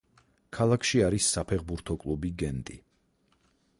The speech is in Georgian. ქალაქში არის საფეხბურთო კლუბი გენტი.